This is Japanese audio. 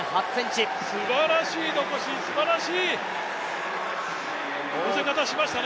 すばらしい残し、すばらしい見せ方をしましたね。